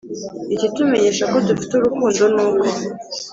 Ikitumenyesha ko dufite urukundo nuko